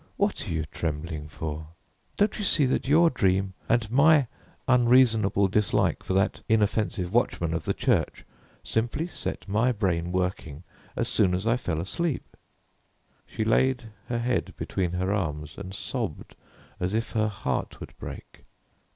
What are you trembling for? Don't you see that your dream and my unreasonable dislike for that inoffensive watchman of the church simply set my brain working as soon as I fell asleep?" She laid her head between her arms, and sobbed as if her heart would break.